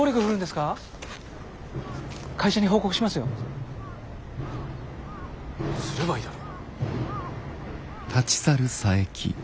すればいいだろ。